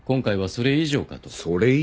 それ以上？